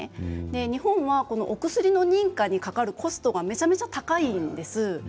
日本はお薬の認可にかかるコストがめちゃくちゃ高いんです。